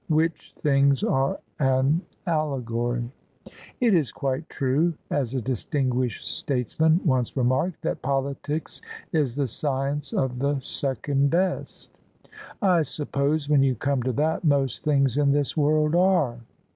Which things are an allegory." " It is quite true — as a distinguished statesman once remarked — that politics is the science of the second best." " I suppose, when you come to that, most things in this world are."